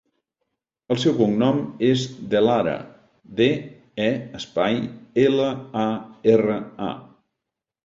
El seu cognom és De Lara: de, e, espai, ela, a, erra, a.